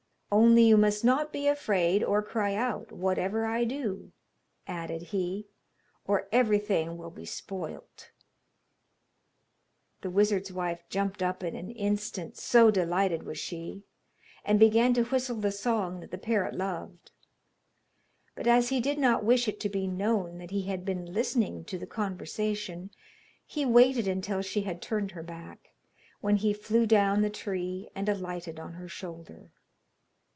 Only you must not be afraid or cry out, whatever I do,' added he, 'or everything will be spoilt.' The wizard's wife jumped up in an instant, so delighted was she, and began to whistle the song that the parrot loved; but as he did not wish it to be known that he had been listening to the conversation he waited until she had turned her back, when he flew down the tree and alighted on her shoulder.